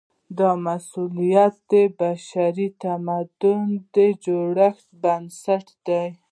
دا مثلث د بشري تمدن د جوړښت بنسټ دی.